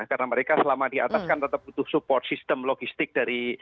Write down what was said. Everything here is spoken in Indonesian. karena mereka selama diataskan tetap butuh support sistem logistik dari